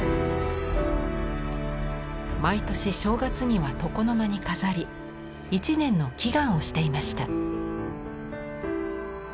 毎年正月には床の間に飾り一年の祈願をしていました。